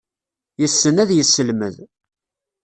Yessen ad yesselmed.